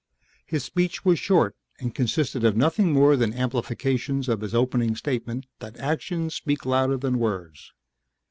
His speech was short and consisted of nothing more than amplifications of his opening statement that actions speak louder than words.